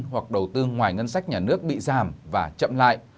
hoặc đầu tư ngoài ngân sách nhà nước bị giảm và chậm lại